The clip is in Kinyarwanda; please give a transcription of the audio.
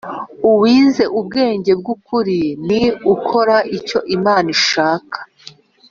Uwize ubwenge byukuri ni ukora icyo Imana ishaka